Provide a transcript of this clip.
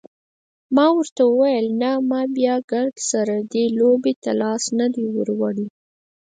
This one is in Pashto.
ما ورته وویل نه ما بیا ګردسره دې لوبې ته لاس نه دی وروړی.